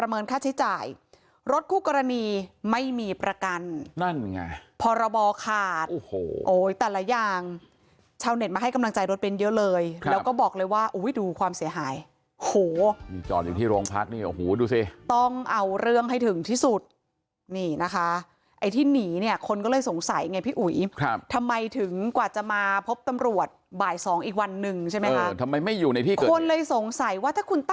อะไรอย่างชาวเน็ตมาให้กำลังใจรถเบนเยอะเลยครับแล้วก็บอกเลยว่าอุ้ยดูความเสียหายโหมีจอดอยู่ที่โรงพักษณ์นี่โอ้โหดูสิต้องเอาเรื่องให้ถึงที่สุดนี่นะคะไอ้ที่หนีเนี่ยคนก็เลยสงสัยไงพี่อุ๋ยครับทำไมถึงกว่าจะมาพบตำรวจบ่ายสองอีกวันหนึ่งใช่ไหมฮะเออทำไมไม่อยู่ในที่คนเลยสงสัยว่าถ้าคุณตั้